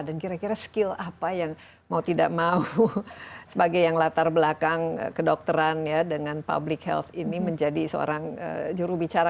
dan kira kira skill apa yang mau tidak mau sebagai yang latar belakang kedokteran ya dengan public health ini menjadi seorang juru bicara